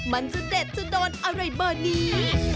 มันจะเด็ดจะโดนอะไรเบอร์นี้